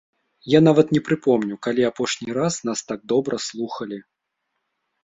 Я нават не прыпомню, калі апошні раз нас так добра слухалі.